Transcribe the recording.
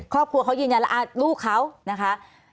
ครอบครัวเขายืนอย่างนั้นลูกเขานะคะ